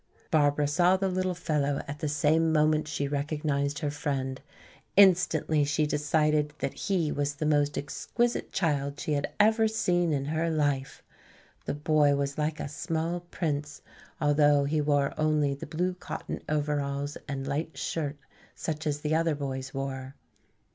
Barbara saw the little fellow at the same moment she recognized her friend. Instantly she decided that he was the most exquisite child she had ever seen in her life. The boy was like a small prince, although he wore only the blue cotton overalls and light shirt such as the other boys wore.